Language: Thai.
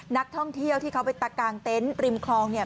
นักท่องเที่ยวที่เขาไปตะกางเต็นต์ริมคลองเนี่ย